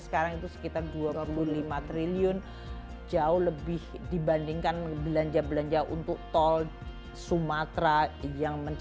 sekarang itu sekitar dua puluh lima triliun jauh lebih dibandingkan belanja belanja untuk tol sumatera